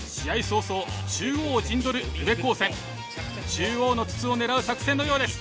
中央の筒を狙う作戦のようです。